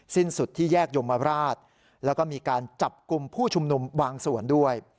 สิ้นสุดที่แยกยมราชแล้วก็มีการจับกลุ่มผู้ชุมนุมบางส่วนด้วย